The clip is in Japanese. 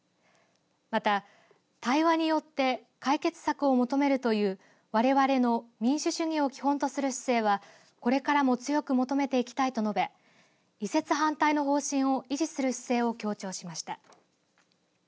また、対話によって解決策を求めるというわれわれの民主主義を基本とする姿勢はこれからも強く求めていきたいと述べ移設反対の方針を維持する姿勢を強調しました。